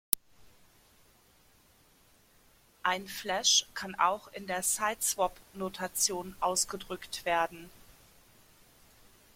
Ein Flash kann auch in der Siteswap-Notation ausgedrückt werden.